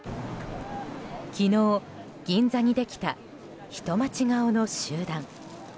昨日、銀座にできた人待ち顔の集団。